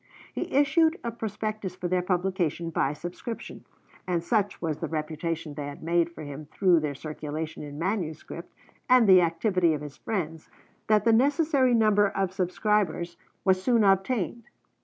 He issued a prospectus for their publication by subscription; and such was the reputation they had made for him through their circulation in manuscript, and the activity of his friends, that the necessary number of subscribers was soon obtained.